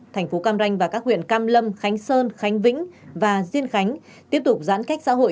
thành phố cam ranh và các huyện cam lâm khánh sơn khánh vĩnh và diên khánh tiếp tục giãn cách xã hội